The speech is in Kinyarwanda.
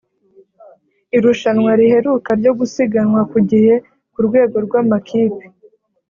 Irushanwa riheruka ryo gusiganwa ku gihe ku rwego rw’amakipe